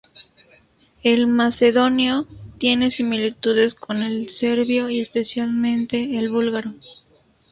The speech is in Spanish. El macedonio tiene similitudes con el serbio y especialmente el búlgaro.